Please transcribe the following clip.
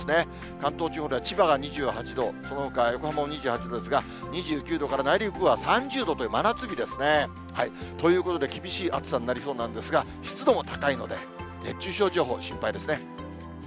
関東地方では千葉が２８度、そのほか横浜も２８度ですが、２９度から、内陸部は３０度という真夏日ですね。ということで、厳しい暑さになりそうなんですが、湿度も高いので、熱中症情報、心配ですね。